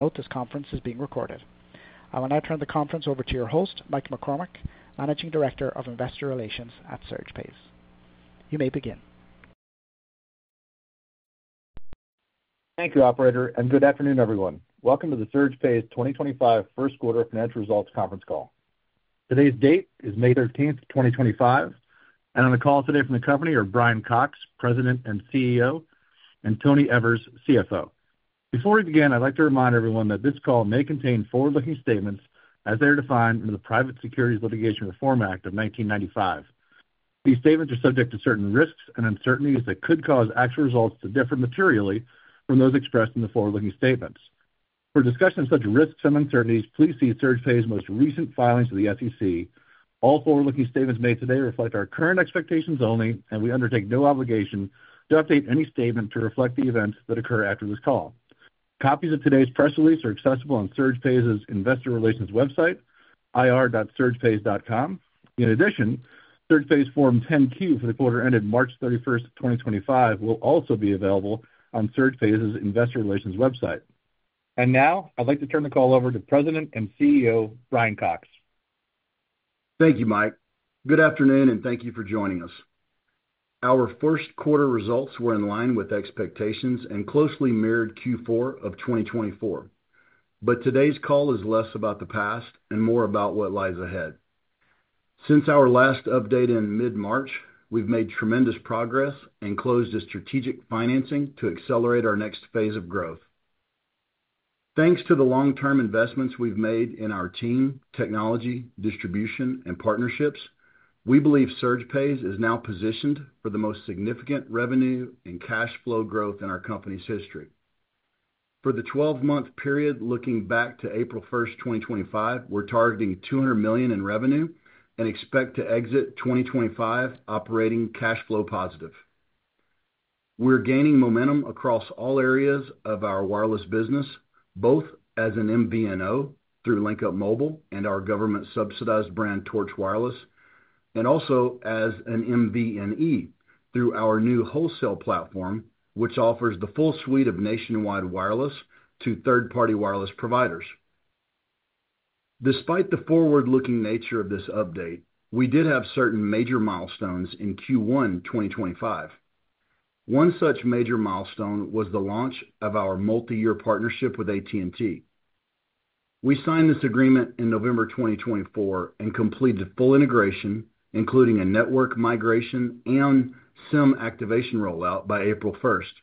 Note this conference is being recorded. I will now turn the conference over to your host, Mike McCormack, Managing Director of Investor Relations at SurgePays. You may begin. Thank you, Operator, and good afternoon, everyone. Welcome to the SurgePays 2025 First Quarter Financial Results Conference Call. Today's date is May 13th, 2025, and I'm going to call today from the company of Brian Cox, President and CEO, and Tony Evers, CFO. Before we begin, I'd like to remind everyone that this call may contain forward-looking statements as they are defined under the Private Securities Litigation Reform Act of 1995. These statements are subject to certain risks and uncertainties that could cause actual results to differ materially from those expressed in the forward-looking statements. For discussion of such risks and uncertainties, please see SurgePays' most recent filings to the SEC. All forward-looking statements made today reflect our current expectations only, and we undertake no obligation to update any statement to reflect the events that occur after this call. Copies of today's press release are accessible on SurgePays' Investor Relations website, ir.surgepays.com. In addition, SurgePays' Form 10Q for the quarter ended March 31st, 2025, will also be available on SurgePays' Investor Relations website. I would like to turn the call over to President and CEO Brian Cox. Thank you, Mike. Good afternoon, and thank you for joining us. Our first quarter results were in line with expectations and closely mirrored Q4 of 2024. Today's call is less about the past and more about what lies ahead. Since our last update in mid-March, we've made tremendous progress and closed a strategic financing to accelerate our next phase of growth. Thanks to the long-term investments we've made in our team, technology, distribution, and partnerships, we believe SurgePays is now positioned for the most significant revenue and cash flow growth in our company's history. For the 12-month period looking back to April 1st, 2025, we're targeting $200 million in revenue and expect to exit 2025 operating cash flow positive. We're gaining momentum across all areas of our wireless business, both as an MVNO through LinkUp Mobile and our government-subsidized brand, Torch Wireless, and also as an MVNE through our new wholesale platform, which offers the full suite of nationwide wireless to third-party wireless providers. Despite the forward-looking nature of this update, we did have certain major milestones in Q1, 2025. One such major milestone was the launch of our multi-year partnership with AT&T. We signed this agreement in November 2024 and completed full integration, including a network migration and SIM activation rollout by April 1st.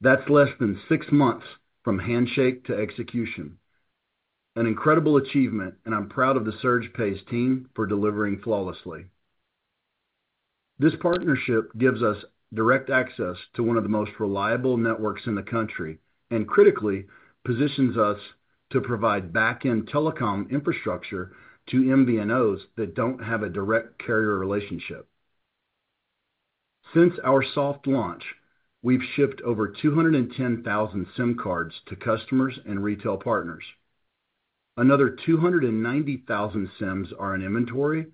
That's less than six months from handshake to execution. An incredible achievement, and I'm proud of the SurgePays team for delivering flawlessly. This partnership gives us direct access to one of the most reliable networks in the country and, critically, positions us to provide back-end telecom infrastructure to MVNOs that do not have a direct carrier relationship. Since our soft launch, we have shipped over 210,000 SIM cards to customers and retail partners. Another 290,000 SIMs are in inventory,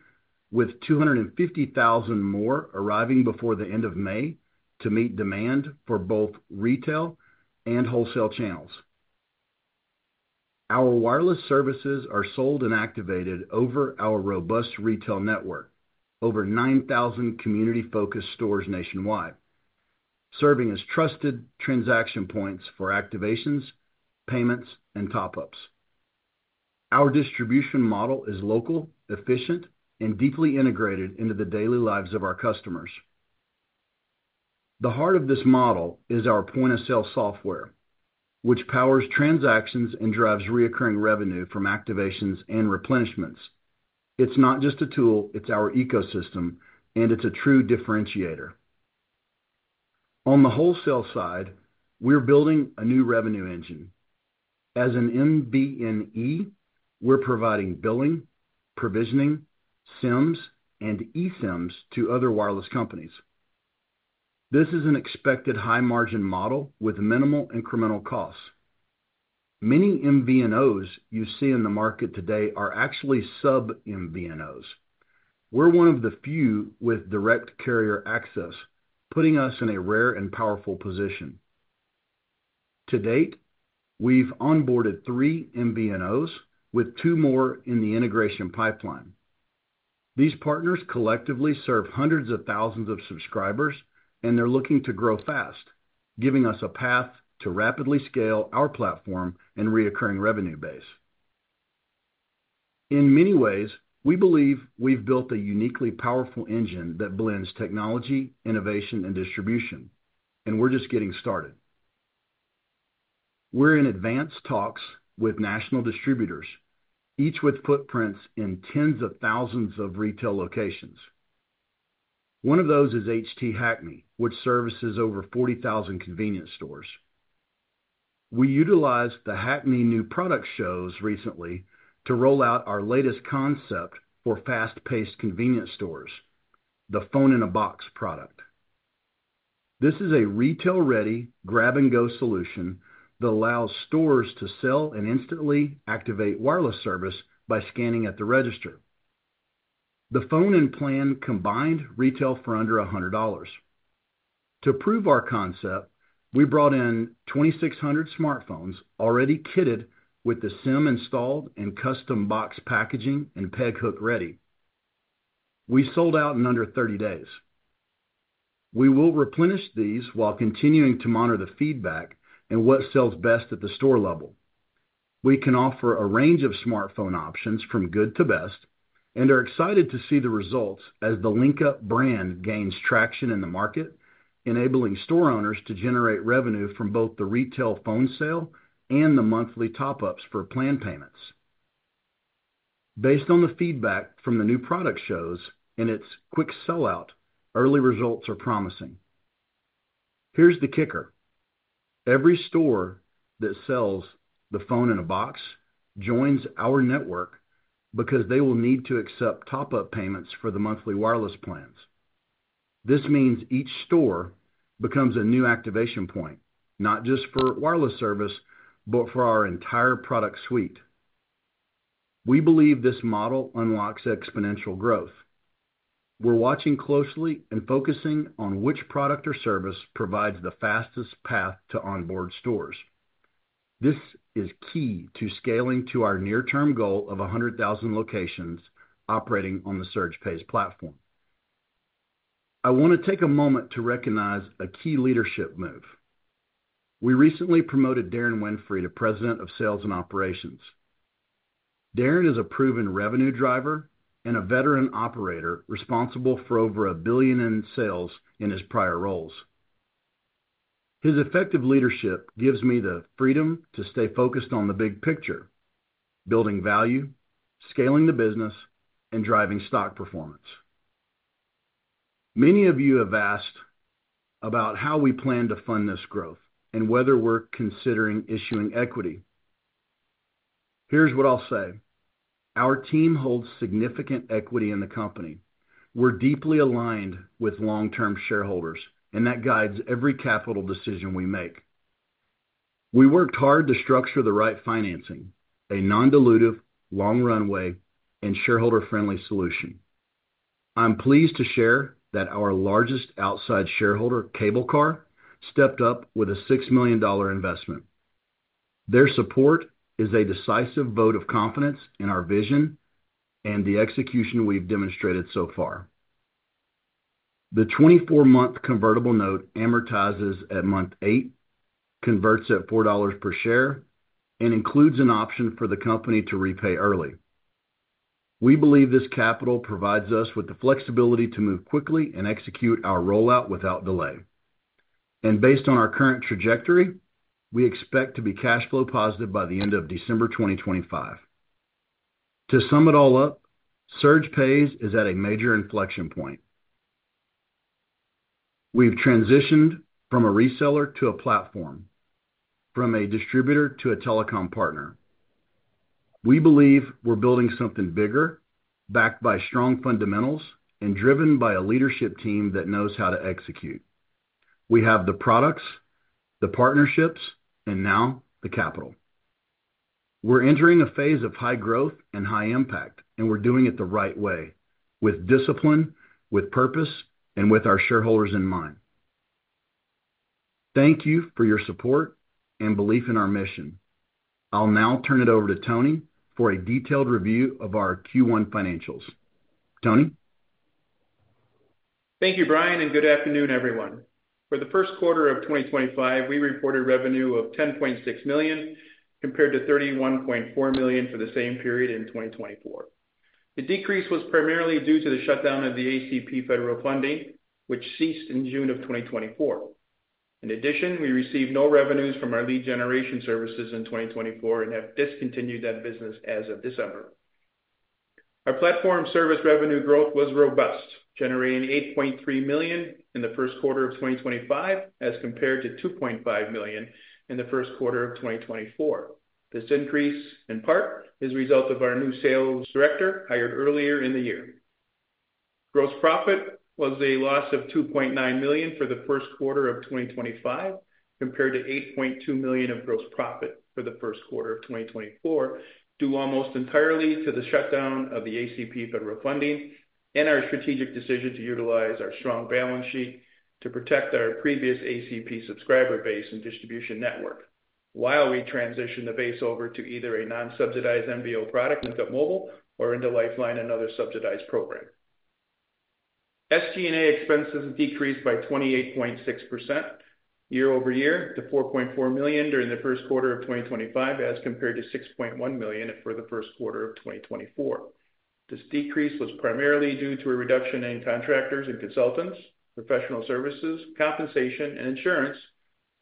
with 250,000 more arriving before the end of May to meet demand for both retail and wholesale channels. Our wireless services are sold and activated over our robust retail network, over 9,000 community-focused stores nationwide, serving as trusted transaction points for activations, payments, and top-ups. Our distribution model is local, efficient, and deeply integrated into the daily lives of our customers. The heart of this model is our point-of-sale software, which powers transactions and drives reoccurring revenue from activations and replenishments. It is not just a tool; it is our ecosystem, and it is a true differentiator. On the wholesale side, we're building a new revenue engine. As an MVNE, we're providing billing, provisioning, SIMs, and eSIMs to other wireless companies. This is an expected high-margin model with minimal incremental costs. Many MVNOs you see in the market today are actually sub-MVNOs. We're one of the few with direct carrier access, putting us in a rare and powerful position. To date, we've onboarded three MVNOs, with two more in the integration pipeline. These partners collectively serve hundreds of thousands of subscribers, and they're looking to grow fast, giving us a path to rapidly scale our platform and recurring revenue base. In many ways, we believe we've built a uniquely powerful engine that blends technology, innovation, and distribution, and we're just getting started. We're in advanced talks with national distributors, each with footprints in tens of thousands of retail locations. One of those is HT Hackney, which services over 40,000 convenience stores. We utilized the Hackney new product shows recently to roll out our latest concept for fast-paced convenience stores, the Phone-in-a-Box product. This is a retail-ready, grab-and-go solution that allows stores to sell and instantly activate wireless service by scanning at the register. The phone and plan combined retail for under $100. To prove our concept, we brought in 2,600 smartphones already kitted with the SIM installed and custom box packaging and peg hook ready. We sold out in under 30 days. We will replenish these while continuing to monitor the feedback and what sells best at the store level. We can offer a range of smartphone options from good to best and are excited to see the results as the LinkUp brand gains traction in the market, enabling store owners to generate revenue from both the retail phone sale and the monthly top-ups for plan payments. Based on the feedback from the new product shows and its quick sellout, early results are promising. Here's the kicker: every store that sells the Phone-in-a-Box joins our network because they will need to accept top-up payments for the monthly wireless plans. This means each store becomes a new activation point, not just for wireless service, but for our entire product suite. We believe this model unlocks exponential growth. We're watching closely and focusing on which product or service provides the fastest path to onboard stores. This is key to scaling to our near-term goal of 100,000 locations operating on the SurgePays platform. I want to take a moment to recognize a key leadership move. We recently promoted Derron Winfrey to President of Sales and Operations. Derron is a proven revenue driver and a veteran operator responsible for over a billion in sales in his prior roles. His effective leadership gives me the freedom to stay focused on the big picture: building value, scaling the business, and driving stock performance. Many of you have asked about how we plan to fund this growth and whether we're considering issuing equity. Here's what I'll say: our team holds significant equity in the company. We're deeply aligned with long-term shareholders, and that guides every capital decision we make. We worked hard to structure the right financing, a non-dilutive, long-run way, and shareholder-friendly solution. I'm pleased to share that our largest outside shareholder, CableCar, stepped up with a $6 million investment. Their support is a decisive vote of confidence in our vision and the execution we've demonstrated so far. The 24-month convertible note amortizes at month 8, converts at $4 per share, and includes an option for the company to repay early. We believe this capital provides us with the flexibility to move quickly and execute our rollout without delay. Based on our current trajectory, we expect to be cash flow positive by the end of December 2025. To sum it all up, SurgePays is at a major inflection point. We've transitioned from a reseller to a platform, from a distributor to a telecom partner. We believe we're building something bigger, backed by strong fundamentals and driven by a leadership team that knows how to execute. We have the products, the partnerships, and now the capital. We're entering a phase of high growth and high impact, and we're doing it the right way, with discipline, with purpose, and with our shareholders in mind. Thank you for your support and belief in our mission. I'll now turn it over to Tony for a detailed review of our Q1 financials. Tony. Thank you, Brian, and good afternoon, everyone. For the first quarter of 2025, we reported revenue of $10.6 million compared to $31.4 million for the same period in 2024. The decrease was primarily due to the shutdown of the ACP federal funding, which ceased in June of 2024. In addition, we received no revenues from our lead generation services in 2024 and have discontinued that business as of December. Our platform service revenue growth was robust, generating $8.3 million in the first quarter of 2025 as compared to $2.5 million in the first quarter of 2024. This increase, in part, is the result of our new sales director hired earlier in the year. Gross profit was a loss of $2.9 million for the first quarter of 2025 compared to $8.2 million of gross profit for the first quarter of 2024, due almost entirely to the shutdown of the ACP federal funding and our strategic decision to utilize our strong balance sheet to protect our previous ACP subscriber base and distribution network while we transition the base over to either a non-subsidized MVNO product, LinkUp Mobile, or into Lifeline, another subsidized program. SG&A expenses decreased by 28.6% year-over-year to $4.4 million during the first quarter of 2025 as compared to $6.1 million for the first quarter of 2024. This decrease was primarily due to a reduction in contractors and consultants, professional services, compensation, and insurance,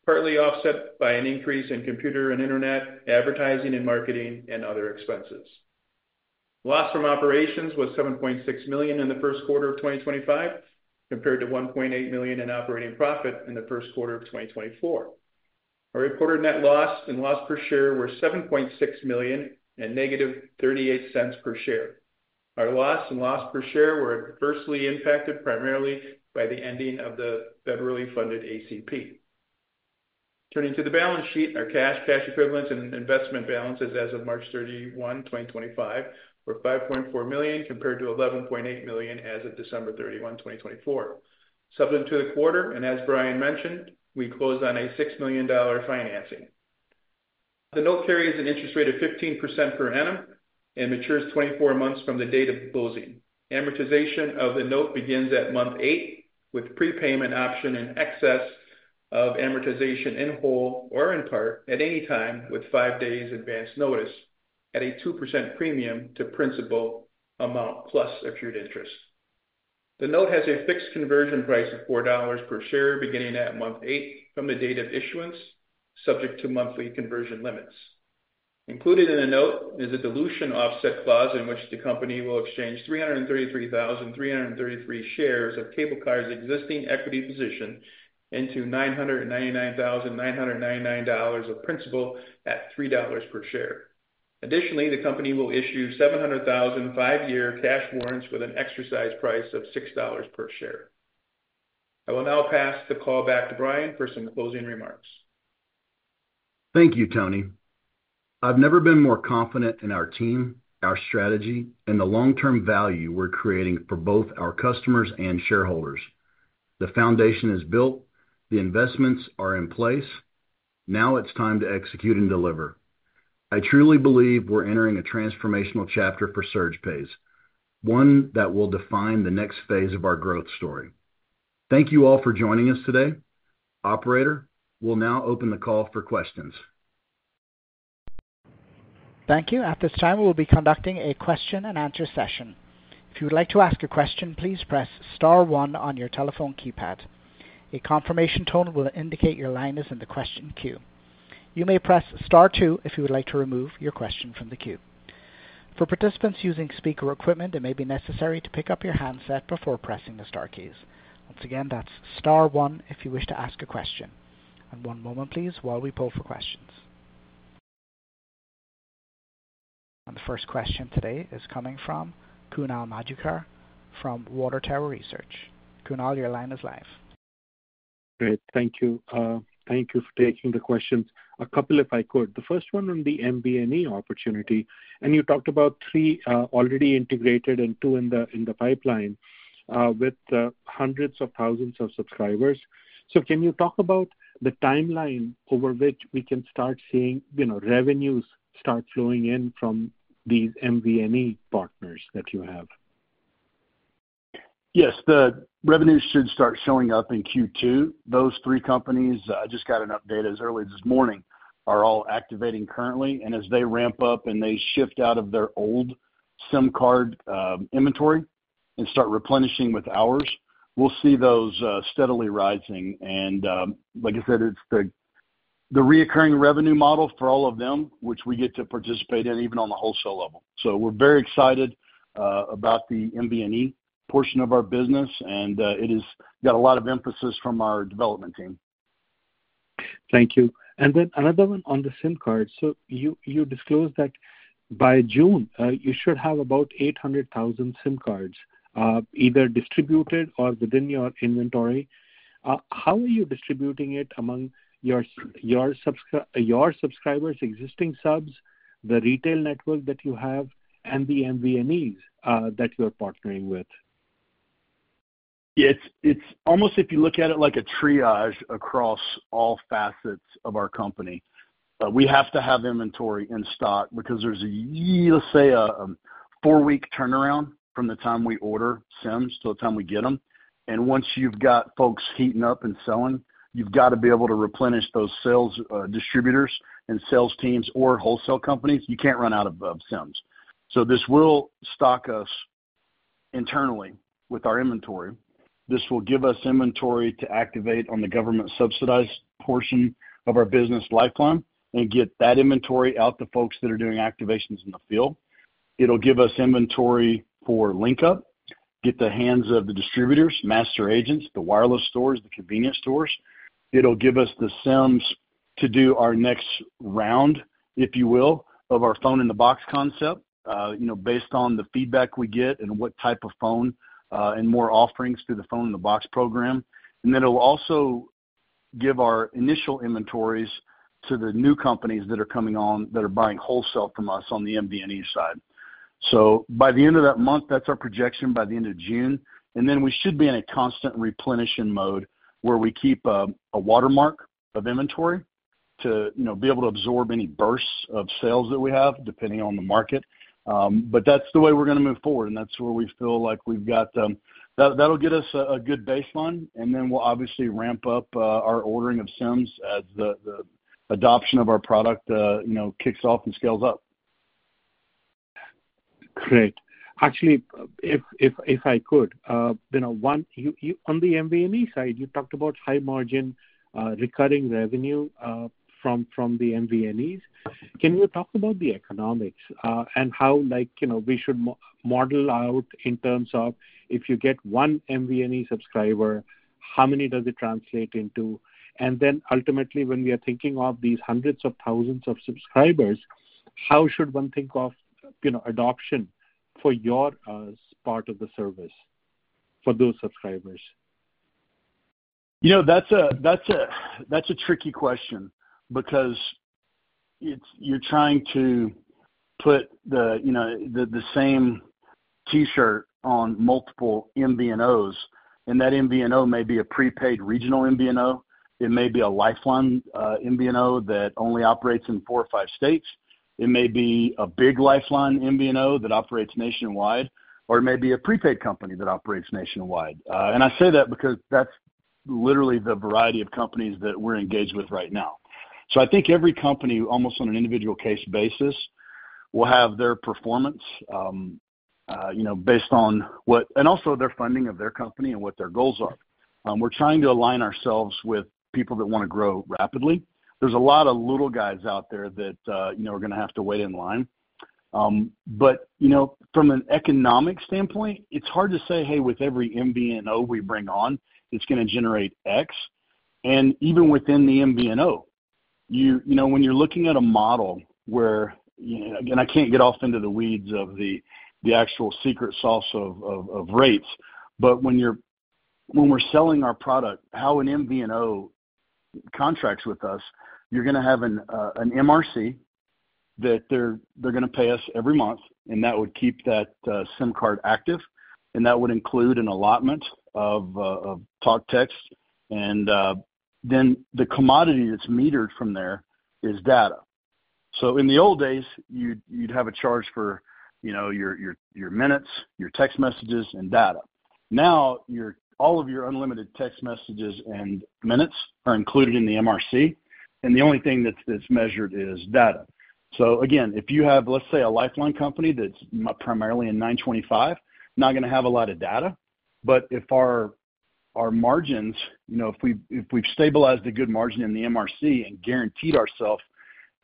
partly offset by an increase in computer and internet advertising and marketing and other expenses. Loss from operations was $7.6 million in the first quarter of 2025 compared to $1.8 million in operating profit in the first quarter of 2024. Our reported net loss and loss per share were $7.6 million and negative $0.38 per share. Our loss and loss per share were adversely impacted primarily by the ending of the federally funded ACP. Turning to the balance sheet, our cash, cash equivalents, and investment balances as of March 31, 2025, were $5.4 million compared to $11.8 million as of December 31, 2024. Subject to the quarter, and as Brian mentioned, we closed on a $6 million financing. The note carries an interest rate of 15% per annum and matures 24 months from the date of closing. Amortization of the note begins at month 8, with prepayment option in excess of amortization in whole or in part at any time with five days advance notice at a 2% premium to principal amount plus accrued interest. The note has a fixed conversion price of $4 per share beginning at month 8 from the date of issuance, subject to monthly conversion limits. Included in the note is a dilution offset clause in which the company will exchange 333,333 shares of CableCar's existing equity position into $999,999 of principal at $3 per share. Additionally, the company will issue 700,000 five-year cash warrants with an exercise price of $6 per share. I will now pass the call back to Brian for some closing remarks. Thank you, Tony. I've never been more confident in our team, our strategy, and the long-term value we're creating for both our customers and shareholders. The foundation is built, the investments are in place. Now it's time to execute and deliver. I truly believe we're entering a transformational chapter for SurgePays, one that will define the next phase of our growth story. Thank you all for joining us today. Operator, we'll now open the call for questions. Thank you. At this time, we will be conducting a question-and-answer session. If you would like to ask a question, please press Star one on your telephone keypad. A confirmation tone will indicate your line is in the question queue. You may press Star two if you would like to remove your question from the queue. For participants using speaker equipment, it may be necessary to pick up your handset before pressing the Star keys. Once again, that's Star one if you wish to ask a question. One moment, please, while we pull for questions. The first question today is coming from Kunal Madhukar from Water Tower Research. Kunal, your line is live. Great. Thank you. Thank you for taking the questions. A couple, if I could. The first one on the MVNE opportunity, and you talked about three already integrated and two in the pipeline with hundreds of thousands of subscribers. Can you talk about the timeline over which we can start seeing revenues start flowing in from these MVNE partners that you have? Yes. The revenues should start showing up in Q2. Those three companies—I just got an update as early as this morning—are all activating currently. As they ramp up and they shift out of their old SIM card inventory and start replenishing with ours, we'll see those steadily rising. Like I said, it's the reoccurring revenue model for all of them, which we get to participate in even on the wholesale level. We are very excited about the MVNE portion of our business, and it has got a lot of emphasis from our development team. Thank you. Then another one on the SIM cards. You disclosed that by June, you should have about 800,000 SIM cards, either distributed or within your inventory. How are you distributing it among your subscribers, existing subs, the retail network that you have, and the MVNEs that you're partnering with? Yes. It's almost, if you look at it like a triage across all facets of our company. We have to have inventory in stock because there's a, let's say, a four-week turnaround from the time we order SIMs till the time we get them. Once you've got folks heating up and selling, you've got to be able to replenish those sales distributors and sales teams or wholesale companies. You can't run out of SIMs. This will stock us internally with our inventory. This will give us inventory to activate on the government-subsidized portion of our business, Lifeline, and get that inventory out to folks that are doing activations in the field. It'll give us inventory for LinkUp, get the hands of the distributors, master agents, the wireless stores, the convenience stores. It'll give us the SIMs to do our next round, if you will, of our Phone-in-a-Box concept based on the feedback we get and what type of phone and more offerings through the Phone-in-a-Box program. It will also give our initial inventories to the new companies that are coming on that are buying wholesale from us on the MVNE side. By the end of that month, that's our projection by the end of June. We should be in a constant replenishing mode where we keep a watermark of inventory to be able to absorb any bursts of sales that we have depending on the market. That is the way we're going to move forward, and that's where we feel like we've got that'll get us a good baseline. We will obviously ramp up our ordering of SIM cards as the adoption of our product kicks off and scales up. Great. Actually, if I could, on the MVNE side, you talked about high-margin recurring revenue from the MVNEs. Can you talk about the economics and how we should model out in terms of if you get one MVNE subscriber, how many does it translate into? Ultimately, when we are thinking of these hundreds of thousands of subscribers, how should one think of adoption for your part of the service for those subscribers? That's a tricky question because you're trying to put the same T-shirt on multiple MVNOs, and that MVNO may be a prepaid regional MVNO. It may be a Lifeline MVNO that only operates in four or five states. It may be a big Lifeline MVNO that operates nationwide, or it may be a prepaid company that operates nationwide. I say that because that's literally the variety of companies that we're engaged with right now. I think every company, almost on an individual case basis, will have their performance based on what and also their funding of their company and what their goals are. We're trying to align ourselves with people that want to grow rapidly. There's a lot of little guys out there that are going to have to wait in line. From an economic standpoint, it's hard to say, "Hey, with every MVNO we bring on, it's going to generate X." Even within the MVNO, when you're looking at a model where—I can't get off into the weeds of the actual secret sauce of rates—but when we're selling our product, how an MVNO contracts with us, you're going to have an MRC that they're going to pay us every month, and that would keep that SIM card active. That would include an allotment of talk text. The commodity that's metered from there is data. In the old days, you'd have a charge for your minutes, your text messages, and data. Now, all of your unlimited text messages and minutes are included in the MRC, and the only thing that's measured is data. Again, if you have, let's say, a Lifeline company that's primarily in $9.25, not going to have a lot of data. If our margins, if we've stabilized a good margin in the MRC and guaranteed ourselves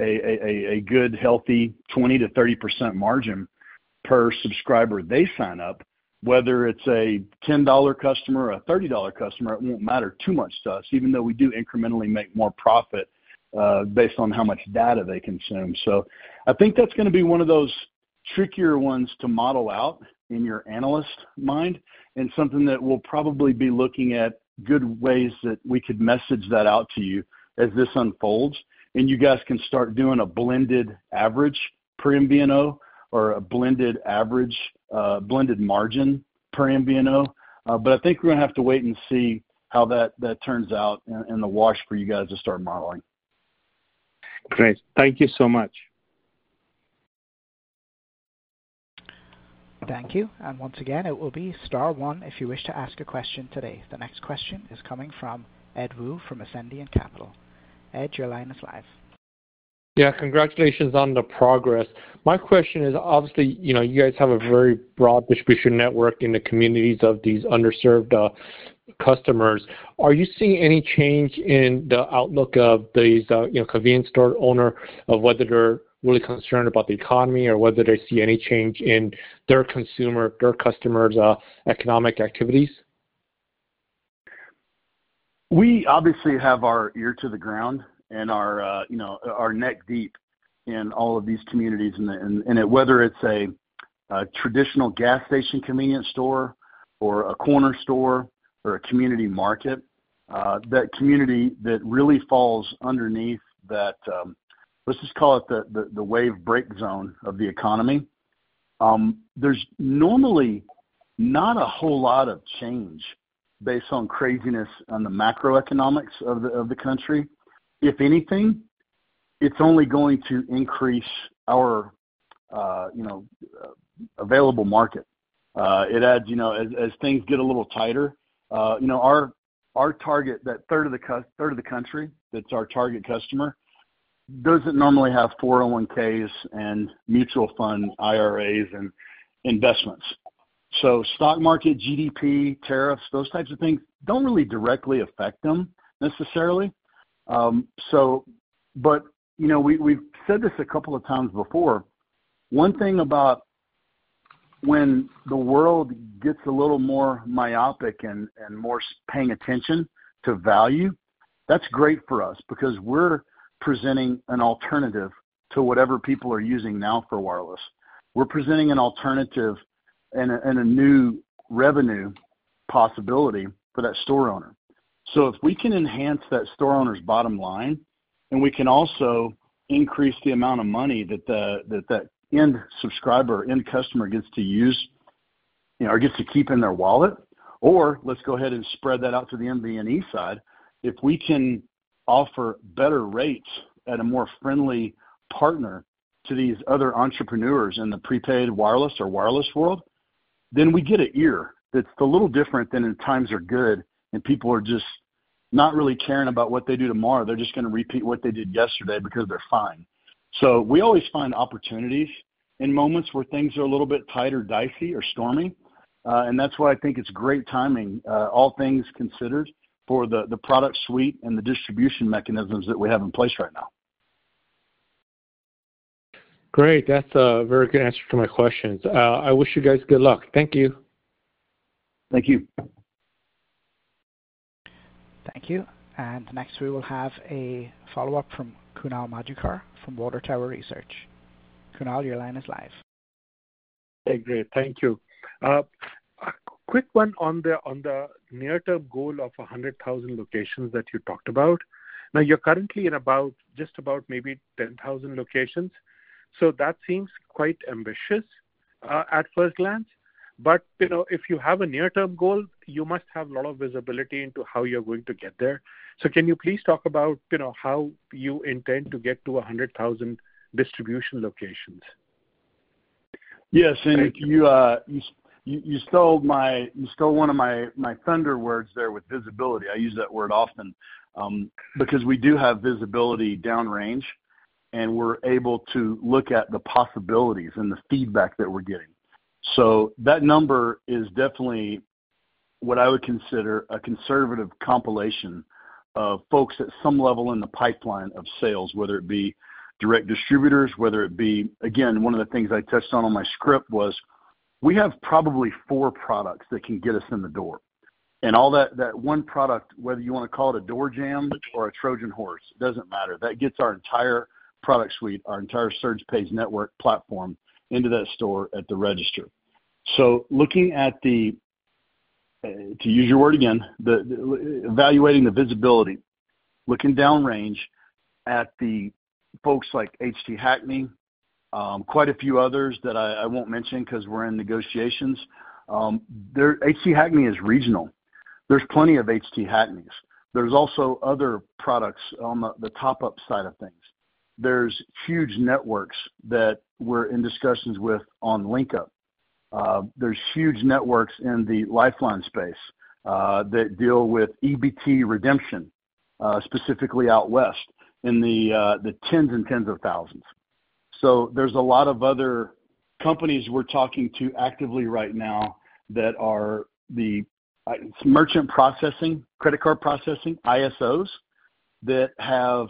a good, healthy 20%-30% margin per subscriber they sign up, whether it's a $10 customer or a $30 customer, it won't matter too much to us, even though we do incrementally make more profit based on how much data they consume. I think that's going to be one of those trickier ones to model out in your analyst mind and something that we'll probably be looking at good ways that we could message that out to you as this unfolds. You guys can start doing a blended average per MVNO or a blended margin per MVNO. I think we're going to have to wait and see how that turns out in the wash for you guys to start modeling. Great. Thank you so much. Thank you. Once again, it will be Star 1 if you wish to ask a question today. The next question is coming from Ed Wu from Ascendiant Capital. Ed, your line is live. Yeah. Congratulations on the progress. My question is, obviously, you guys have a very broad distribution network in the communities of these underserved customers. Are you seeing any change in the outlook of these convenience store owners of whether they're really concerned about the economy or whether they see any change in their consumer, their customers' economic activities? We obviously have our ear to the ground and are neck deep in all of these communities. Whether it's a traditional gas station convenience store or a corner store or a community market, that community that really falls underneath that—let's just call it the wave break zone of the economy—there's normally not a whole lot of change based on craziness on the macroeconomics of the country. If anything, it's only going to increase our available market. It adds, as things get a little tighter, our target, that third of the country that's our target customer, doesn't normally have 401,000 and mutual fund IRAs and investments. Stock market, GDP, tariffs, those types of things don't really directly affect them necessarily. We've said this a couple of times before. One thing about when the world gets a little more myopic and more paying attention to value, that's great for us because we're presenting an alternative to whatever people are using now for wireless. We're presenting an alternative and a new revenue possibility for that store owner. If we can enhance that store owner's bottom line and we can also increase the amount of money that that end subscriber, end customer gets to use or gets to keep in their wallet, or let's go ahead and spread that out to the MVNE side, if we can offer better rates at a more friendly partner to these other entrepreneurs in the prepaid wireless or wireless world, then we get an ear that's a little different than in times are good and people are just not really caring about what they do tomorrow. They're just going to repeat what they did yesterday because they're fine. We always find opportunities in moments where things are a little bit tight or dicey or stormy. That's why I think it's great timing, all things considered, for the product suite and the distribution mechanisms that we have in place right now. Great. That's a very good answer to my questions. I wish you guys good luck. Thank you. Thank you. Thank you. Next, we will have a follow-up from Kunal Madhukar from Water Tower Research. Kunal, your line is live. Hey, great. Thank you. Quick one on the near-term goal of 100,000 locations that you talked about. Now, you're currently in just about maybe 10,000 locations. That seems quite ambitious at first glance. If you have a near-term goal, you must have a lot of visibility into how you're going to get there. Can you please talk about how you intend to get to 200,000 distribution locations? Yes. You stole one of my thunder words there with visibility. I use that word often because we do have visibility downrange, and we're able to look at the possibilities and the feedback that we're getting. That number is definitely what I would consider a conservative compilation of folks at some level in the pipeline of sales, whether it be direct distributors, whether it be—again, one of the things I touched on in my script was we have probably four products that can get us in the door. That one product, whether you want to call it a door jam or a Trojan horse, does not matter. That gets our entire product suite, our entire SurgePays network platform into that store at the register. Looking at the—to use your word again—evaluating the visibility, looking downrange at the folks like HT Hackney, quite a few others that I won't mention because we're in negotiations. HT Hackney is regional. There are plenty of HT Hackneys. There are also other products on the top-up side of things. There are huge networks that we're in discussions with on LinkUp. There are huge networks in the Lifeline space that deal with EBT redemption, specifically out west in the tens and tens of thousands. There are a lot of other companies we're talking to actively right now that are the merchant processing, credit card processing, ISOs that have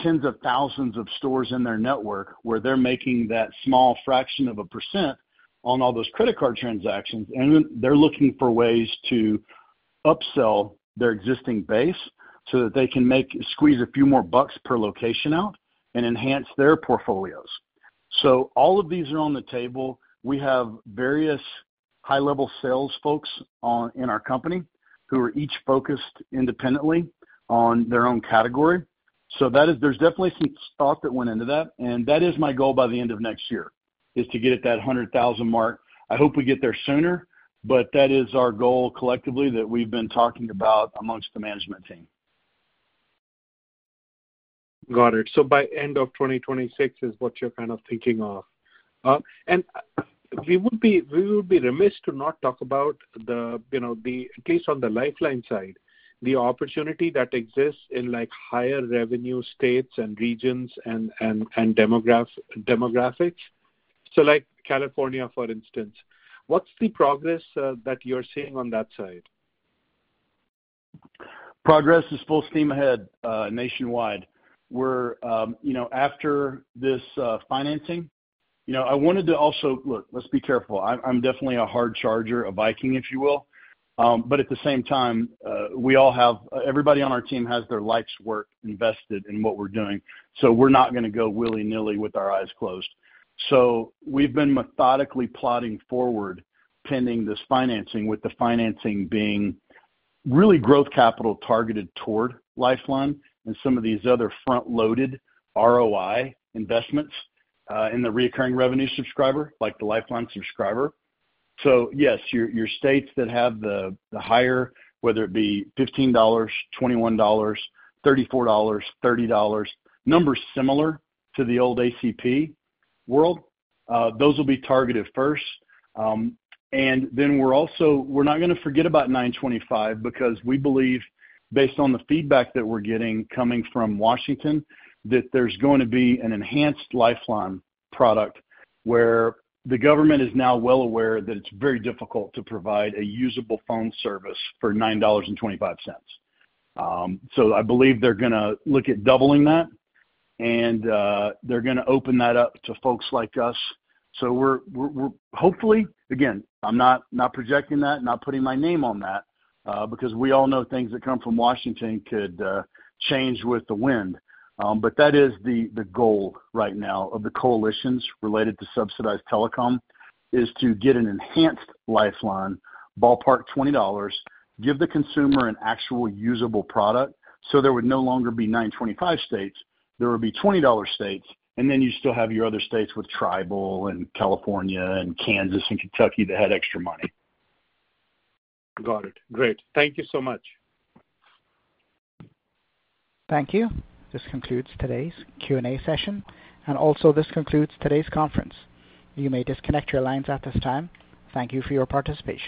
tens of thousands of stores in their network where they're making that small fraction of a % on all those credit card transactions. They are looking for ways to upsell their existing base so that they can squeeze a few more bucks per location out and enhance their portfolios. All of these are on the table. We have various high-level sales folks in our company who are each focused independently on their own category. There is definitely some thought that went into that. That is my goal by the end of next year, to get at that 100,000 mark. I hope we get there sooner, but that is our goal collectively that we have been talking about amongst the management team. Got it. By end of 2026 is what you're kind of thinking of. We would be remiss to not talk about the, at least on the Lifeline side, the opportunity that exists in higher revenue states and regions and demographics. Like California, for instance, what's the progress that you're seeing on that side? Progress is full steam ahead nationwide. After this financing, I wanted to also—look, let's be careful. I'm definitely a hard charger, a Viking, if you will. At the same time, everybody on our team has their life's work invested in what we're doing. We're not going to go willy-nilly with our eyes closed. We've been methodically plotting forward pending this financing, with the financing being really growth capital targeted toward Lifeline and some of these other front-loaded ROI investments in the recurring revenue subscriber, like the Lifeline subscriber. Yes, your states that have the higher, whether it be $15, $21, $34, $30, numbers similar to the old ACP world, those will be targeted first. We're not going to forget about $9.25 because we believe, based on the feedback that we're getting coming from Washington, that there's going to be an enhanced Lifeline product where the government is now well aware that it's very difficult to provide a usable phone service for $9.25. I believe they're going to look at doubling that, and they're going to open that up to folks like us. Hopefully, again, I'm not projecting that, not putting my name on that, because we all know things that come from Washington could change with the wind. That is the goal right now of the coalitions related to subsidized telecom, to get an enhanced Lifeline, ballpark $20, give the consumer an actual usable product so there would no longer be $9.25 states. There would be $20 states, and then you still have your other states with Tribal and California and Kansas and Kentucky that had extra money. Got it. Great. Thank you so much. Thank you. This concludes today's Q&A session. This concludes today's conference. You may disconnect your lines at this time. Thank you for your participation.